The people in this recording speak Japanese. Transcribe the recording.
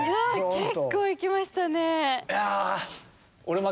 結構行きましたね！